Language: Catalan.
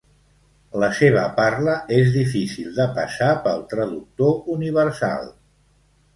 La seva parla és difícil de passar pel traductor universal.